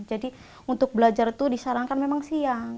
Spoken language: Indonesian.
jadi untuk belajar tuh disarankan memang siang